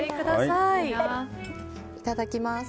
いただきます。